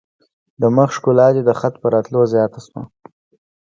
د مخ ښکلا دي د خط په راتلو زیاته شوه.